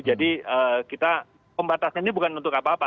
jadi kita membataskan ini bukan untuk apa apa